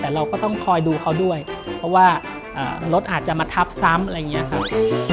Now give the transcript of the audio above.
แต่เราก็ต้องคอยดูเขาด้วยเพราะว่ารถอาจจะมาทับซ้ำอะไรอย่างนี้ครับ